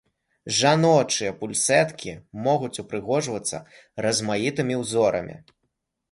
Жаночыя пульсэткі могуць упрыгожвацца размаітымі ўзорамі.